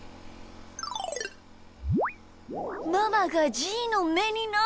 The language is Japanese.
ママがじーのめになってる！